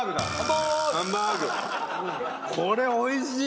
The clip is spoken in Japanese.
これおいしい！